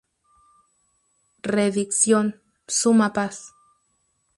Reedición: "Suma Paz.